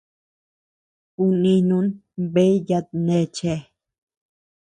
Kuninun bea yatneachea.